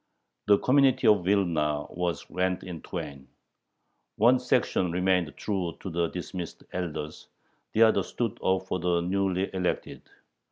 The community of Vilna was rent in twain. One section remained true to the dismissed elders, the other stood up for the newly elected.